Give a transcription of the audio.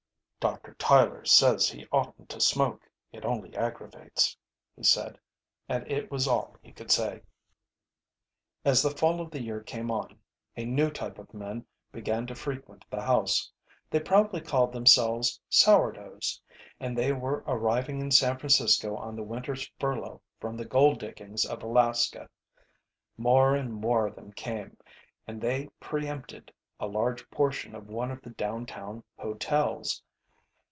"Doctor Tyler says he oughtn't to smoke it only aggravates," he said; and it was all he could say. As the fall of the year came on, a new type of men began to frequent the house. They proudly called themselves "sour doughs," and they were arriving in San Francisco on the winter's furlough from the gold diggings of Alaska. More and more of them came, and they pre empted a large portion of one of the down town hotels.